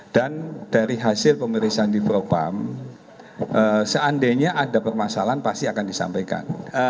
dan dari hasil pemeriksaan di propam seandainya ada permasalahan pasti akan disampaikan